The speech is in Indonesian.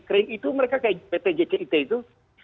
kering itu mereka kayak pt jkit itu